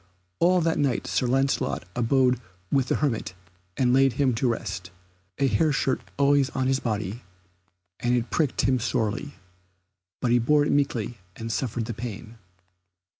All that night Sir Lancelot abode with the hermit and laid him to rest, a hair shirt always on his body, and it pricked him sorely, but he bore it meekly and suffered the pain.